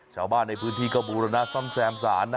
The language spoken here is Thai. ชาวบ้านในพื้นที่ก็บูรณะซ่อมแซมศาลนะ